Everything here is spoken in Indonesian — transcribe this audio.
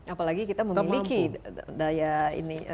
apalagi kita memiliki daya ini